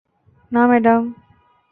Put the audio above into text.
না, ম্যাডাম।